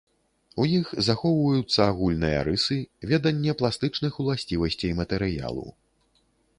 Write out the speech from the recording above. У іх захоўваюцца агульныя рысы, веданне пластычных уласцівасцей матэрыялу.